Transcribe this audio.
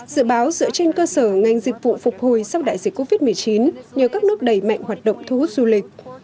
dự báo dựa trên cơ sở ngành dịch vụ phục hồi sau đại dịch covid một mươi chín nhờ các nước đầy mạnh hoạt động thu hút du lịch